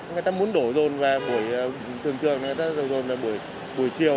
người ta muốn đổ dồn vào buổi thường thường người ta đổ dồn vào buổi chiều